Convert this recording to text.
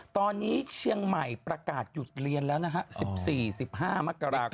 ตอนนี้เชียงใหม่ประกาศหยุดเรียนแล้วนะฮะ๑๔๑๕มกราคม